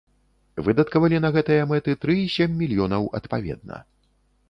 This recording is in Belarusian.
Выдаткавалі на гэтыя мэты тры і сем мільёнаў адпаведна.